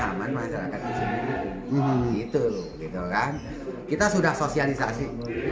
haraman masyarakat di sini gitu kan kita sudah sosialisasi